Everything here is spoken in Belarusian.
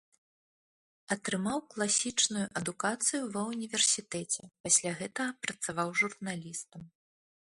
Атрымаў класічную адукацыю ва ўніверсітэце, пасля гэтага працаваў журналістам.